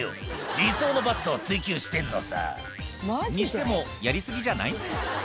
「理想のバストを追求してるのさ」にしてもやり過ぎじゃない？